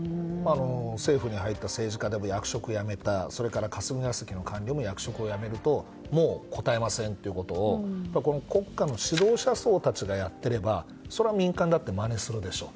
政府に入った政治家が辞めたり霞が関の官僚が辞めるともう答えませんということを国家の指導者層たちがやってればそれは民間だってまねするでしょう。